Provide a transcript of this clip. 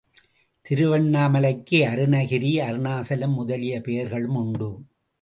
திருவண்ணாமலைக்கு, அருணகிரி அருணாசலம் முதலிய பெயர்களும் உண்டு.